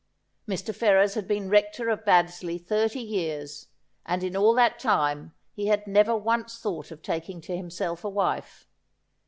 Mr. Ferrers had been Rector of Baddesley thirty years, and in all that time he had never once thought of taking to himself a wife.